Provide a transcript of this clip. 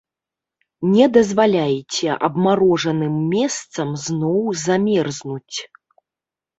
Не дазваляйце абмарожаным месцам зноў замерзнуць.